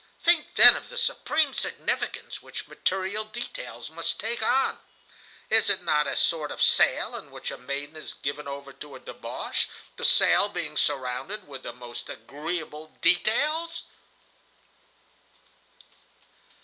Think then of the supreme significance which material details must take on. Is it not a sort of sale, in which a maiden is given over to a débauché, the sale being surrounded with the most agreeable details?"